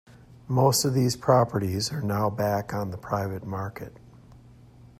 Most of these properties are now back on the private market.